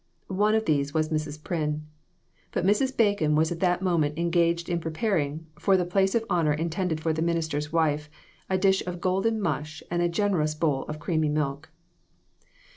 One of these was Mrs. Pryn. But Mrs. Bacon was at that moment engaged in preparing, for the place of honor intended for the minister's wife, a dish of golden mush and a generous bowl of creamy milk.